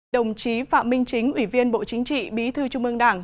đồng chí phạm minh chính ủy viên bộ chính trị bí thư trung ương đảng